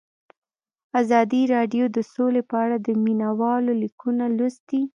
ازادي راډیو د سوله په اړه د مینه والو لیکونه لوستي.